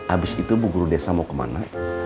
abis itu bu guru desa mau kemana